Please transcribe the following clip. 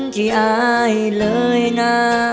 ที่อายเลยนะ